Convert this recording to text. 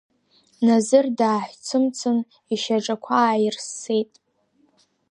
Назыр дааҳәцымцын, ишьаҿақәа ааирссеит.